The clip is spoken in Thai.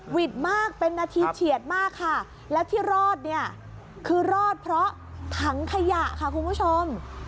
มากเป็นนาทีเฉียดมากค่ะแล้วที่รอดเนี่ยคือรอดเพราะถังขยะค่ะคุณผู้ชม